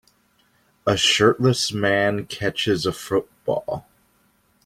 A shirtless man catches a football